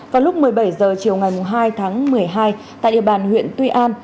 vào lúc một mươi bảy h chiều ngày hai tháng một mươi hai tại địa bàn huyện tuy an